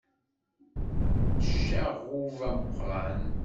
D ccaɣub ameqqran.